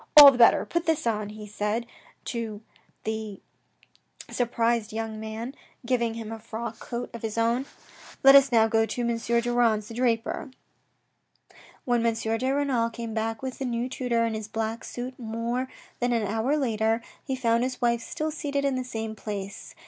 " All the better. Put this on," he said to the surprised 32 THE RED AND THE BLACK young man, giving him a frock coat of his own. " Let us now go to M. Durand's the draper." When M. de Renal came back with the new tutor in his black suit more than an hour later, he found his wife still seated in the same place.